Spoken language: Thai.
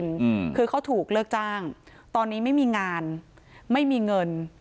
แล้วก็ไปนอนอยู่ที่สุรินทร์คือเขาถูกเลิกจ้างตอนนี้ไม่มีงานไม่มีเงิน